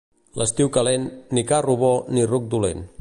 L'estiu calent, ni carro bo ni ruc dolent.